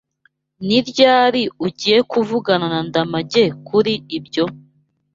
Ni ryari ugiye kuvugana na Ndamage kuri ibyo?